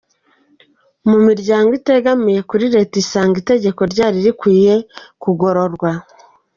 mu miryango itegamiye kuri Leta isanga itegeko ryari rikwiye kugororwa.